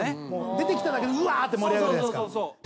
出てきただけで「うわ！」って盛り上がるじゃないですか。